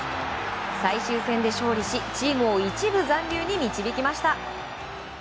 最終戦で勝利しチームを１部残留に導きました。